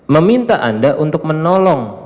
meminta anda untuk menolong